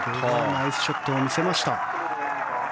ナイスショットを見せました。